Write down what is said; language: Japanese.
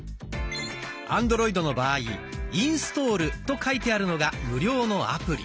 アンドロイドの場合「インストール」と書いてあるのが無料のアプリ。